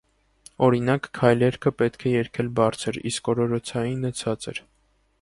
Օրինակ, քայլերգը պետք է երգել բարձր, իսկ օրորոցայինը՝ ցածր։